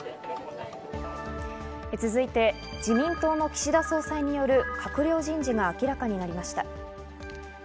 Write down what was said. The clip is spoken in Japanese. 続いて、自民党の岸田総裁による閣僚人事が明らかになりました。